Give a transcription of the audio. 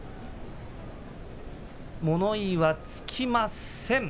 物言いはつきません。